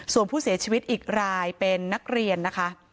ส่วนผู้เสียชีวิตอีกรายเป็นนักเรียนนะคะ